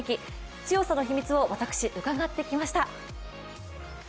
強さの秘密を私、伺ってきました。